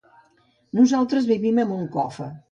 Nosaltres vivim a Moncofa.